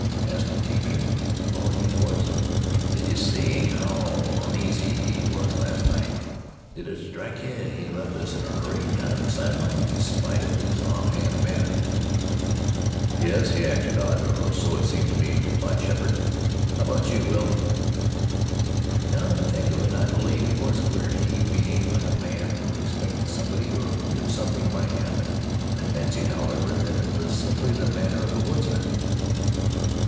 asked the teamster, lowering his voice. "Did ye see how oneasy he was last night? Did it strike ye he left us in a hurry, kind of excited like, in spite of his offhand manner?" "Yes, he acted odd, or so it seemed to me," replied Sheppard. "How about you, Will?" "Now that I think of it, I believe he was queer. He behaved like a man who expected somebody, or feared something might happen. I fancied, however, that it was simply the manner of a woodsman."